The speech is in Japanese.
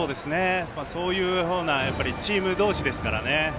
そういうようなチーム同士ですからね。